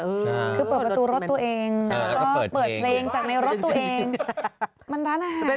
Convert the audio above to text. คือเปิดประตูรถตัวเองแล้วก็เปิดเลงจากในรถตัวเอง